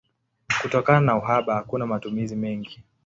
Kutokana na uhaba hakuna matumizi mengi.